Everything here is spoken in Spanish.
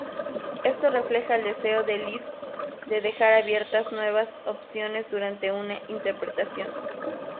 Esto refleja el deseo de Liszt de dejar abiertas nuevas opciones durante una interpretación.